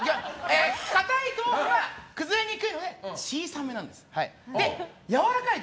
かたい豆腐は崩れにくいので小さめなんです。